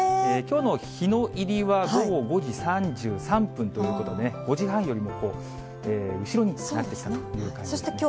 きょうの日の入りは午後５時３３分ということで、５時半よりも後ろになってきたという感じですね。